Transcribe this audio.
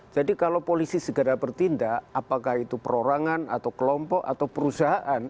jadi kalau polisi segera bertindak apakah itu perorangan atau kelompok atau perusahaan